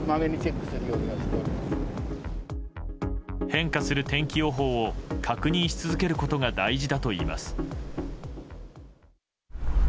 変化する天気予報を確認し続けることが大事だといいます。